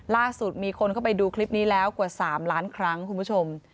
ล่าสุดมีคนเข้าไปดูคลิปนี้แล้วกว่า๓ล้านครั้งคุณผู้ชม